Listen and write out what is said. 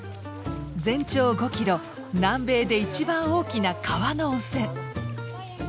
全長５キロ南米で一番大きな川の温泉。